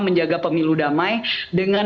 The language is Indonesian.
menjaga pemilu damai dengan